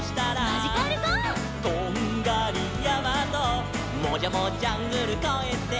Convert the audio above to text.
「トンガリやまともじゃもジャングルこえて」